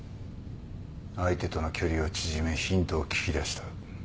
相手との距離を縮めヒントを聞き出した。